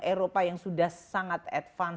eropa yang sudah sangat advance